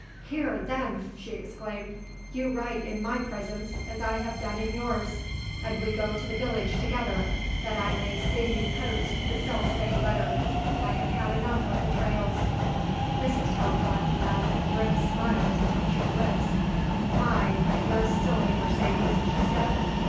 "Here then!" she exclaimed. "You write in my presence as I have done in yours. And we go to the village together that I may see you post the self same letter. I have had enough of betrayals!" Mrs. Talcott allowed a grim smile to touch her lips. "My, but you're silly, Mercedes," she said.